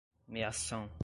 meação